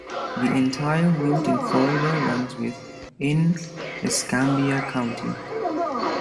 The entire route in Florida runs within Escambia County.